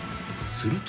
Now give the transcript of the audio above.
すると］